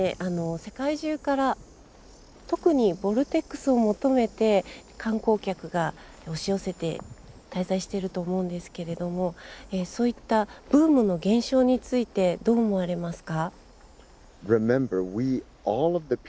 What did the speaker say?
世界中から特にボルテックスを求めて観光客が押し寄せて滞在していると思うんですけれどもそういったブームの現象についてどう思われますか？